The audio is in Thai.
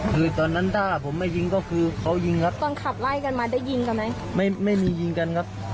คือตอนนั้นถ้าผมไม่ยิงก็คือเขายิงครับตอนขับไล่กันมาได้ยิงกันไหมไม่ไม่มียิงกันครับ